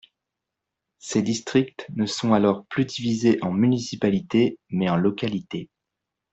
Ces districts ne sont alors plus divisés en municipalités mais en localités.